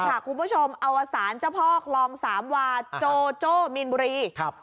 คุณผู้ชมอวสารเจ้าพ่อคลองสามวาโจโจ้มีนบุรีครับ